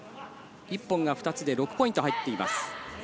一本が２つで６ポイント入っています。